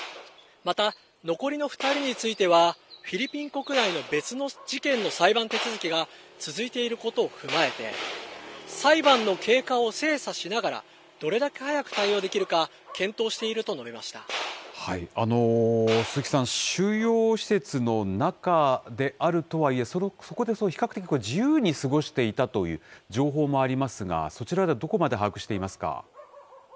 また、残りの２人については、フィリピン国内の別の事件の裁判手続きが続いていることを踏まえて、裁判の経過を精査しながら、どれだけ早く対応できるか、鈴木さん、収容施設の中であるとはいえ、そこで比較的自由に過ごしていたという情報もありますが、そちらではどこまで把握していますか。